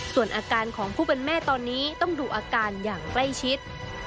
ส่วนอาการของผู้เป็นแม่ตอนนี้ต้องดูอาการอย่างใกล้ชิด